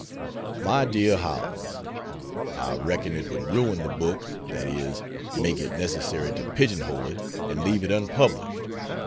MY DEAR HOWELLS, I reckon it would ruin the book that is, make it necessary to pigeon hole it and leave it unpublished.